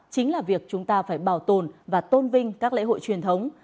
chính là việc chúng ta phải bảo tồn và tôn vinh các lễ hội truyền thống